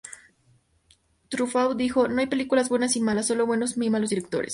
Truffaut dijo: "no hay películas buenas y malas, solo buenos y malos directores".